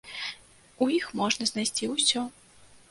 У іх можна знайсці ўсё.